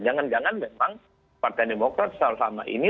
jangan jangan memang partai demokrat selama ini